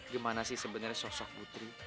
gimana sih sebenarnya sosok putri